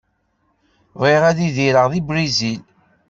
Bɣiɣ ad idireɣ deg Brizil.